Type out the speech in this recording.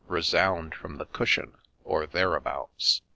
' resound from the cushion, — or thereabouts.